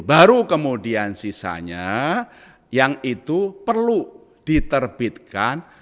baru kemudian sisanya yang itu perlu diterbitkan